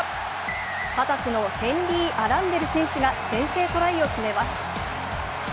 ２０歳のヘンリー・アランデル選手が先制トライを決めます。